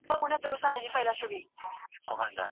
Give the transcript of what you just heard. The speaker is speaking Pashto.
زما د ژوند تر ټولو اوږد قيام و هم و تاته